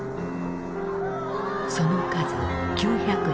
その数９００人。